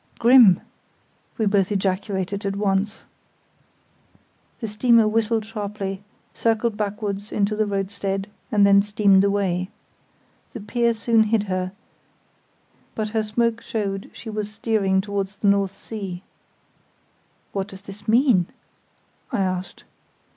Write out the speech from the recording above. "Grimm!" we both ejaculated at once. The steamer whistled sharply, circled backwards into the roadstead, and then steamed away. The pier soon hid her, but her smoke showed she was steering towards the North Sea. "What does this mean?" I asked.